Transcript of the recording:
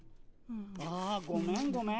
あごめんごめん。